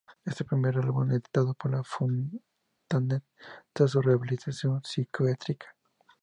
Es el primer álbum editado por Fontanet tras su rehabilitación psiquiátrica.